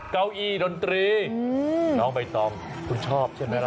เก้าอี้ดนตรีน้องใบตองคุณชอบใช่ไหมล่ะ